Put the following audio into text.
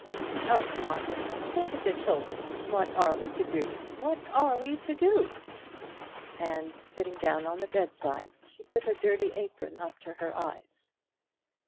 Oh, Margaret, think of the children! What are we to do? What are we to do?" And sitting down on the bedside, she put her dirty apron up to her eyes.